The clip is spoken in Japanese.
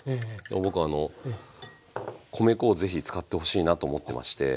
僕はあの米粉を是非使ってほしいなと思ってまして。